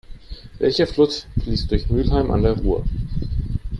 Welcher Fluss fließt durch Mülheim an der Ruhr?